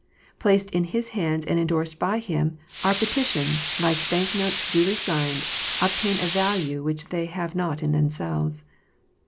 Placed in His hands and endorsed by Him, our petitions, like bank notes duly signed, obtain a value which they have not in themselves.